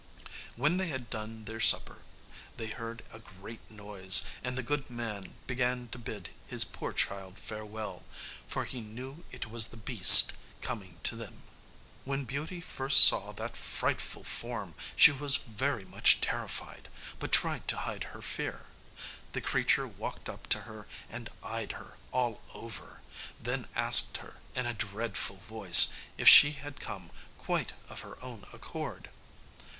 When they had done their supper they heard a great noise, and the good old man began to bid his poor child farewell, for he knew it was the beast coming to them. When Beauty first saw that frightful form she was very much terrified, but tried to hide her fear. The creature walked up to her and eyed her all over; then asked her, in a dreadful voice, if she had come quite of her own accord.